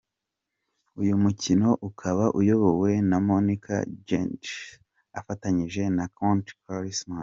Uyu mukino ukaba uyobowe na Monika Gintersdorfer afatanyije na knut Klassen.